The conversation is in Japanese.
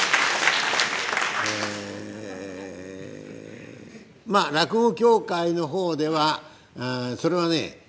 ええまあ落語協会の方ではああそれはねえええ